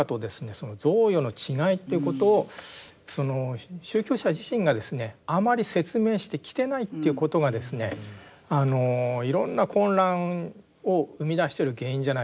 その贈与の違いということをその宗教者自身がですねあまり説明してきてないということがですねいろんな混乱を生み出してる原因じゃないかと。